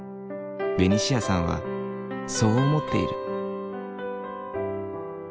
ベニシアさんはそう思っている。